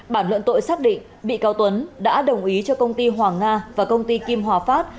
bản luận tội xác định bị cáo tuấn đã đồng ý cho công ty hoàng nga và công ty kim hòa phát